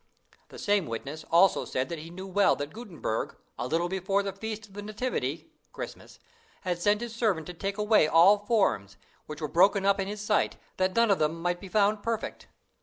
"The same witness also said that he knew well that Gutenberg, a little before the Feast of the Nativity [Christmas], had sent his servant to take away all forms, which were broken up in his sight, that none of them might be found perfect.